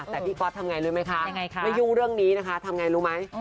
แต่พี่ก๊อตทำไงรู้ไหมคะไม่ยุ่งเรื่องนี้นะคะทำไงรู้ไหม